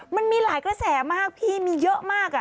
มันมีหลายกระแสมากพี่มีเยอะมาก